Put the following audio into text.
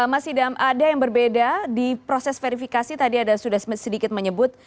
mas idam ada yang berbeda di proses verifikasi tadi ada sudah sedikit menyebut